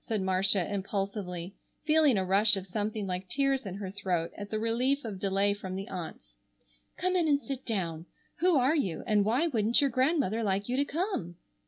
said Marcia impulsively, feeling a rush of something like tears in her throat at the relief of delay from the aunts. "Come in and sit down. Who are you, and why wouldn't your Grandmother like you to come?"